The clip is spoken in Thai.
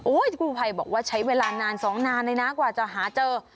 กู้ภัยบอกว่าใช้เวลานาน๒นานเลยนะกว่าจะหาเจอ